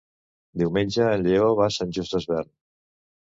Diumenge en Lleó va a Sant Just Desvern.